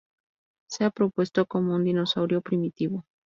Se ha propuesto como un dinosaurio primitivo.